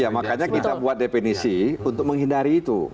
ya makanya kita buat definisi untuk menghindari itu